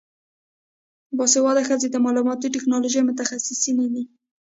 باسواده ښځې د معلوماتي ټیکنالوژۍ متخصصینې دي.